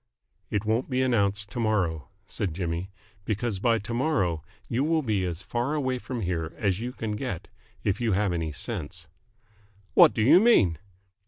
"It won't be announced to morrow," said Jimmy. "Because by to morrow you will be as far away from here as you can get, if you have any sense." "What do you mean?"